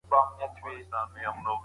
ښه انسان تل نرم ږغ لري